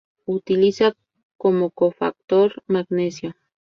Utiliza como cofactor magnesio.